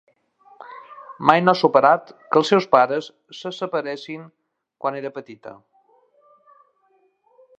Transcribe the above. Mai no ha superat que els seus pares se separessin quan era petita.